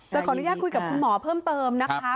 ขออนุญาตคุยกับคุณหมอเพิ่มเติมนะคะ